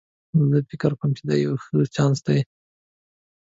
زه فکر کوم چې دا یو ښه چانس ده